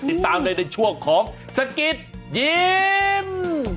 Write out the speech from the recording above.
ติดตามเลยในช่วงของสกิดยิ้ม